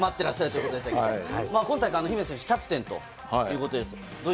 今大会、姫野選手はキャプテンということです。